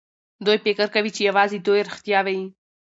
دوی فکر کوي چې يوازې دوی رښتيا وايي.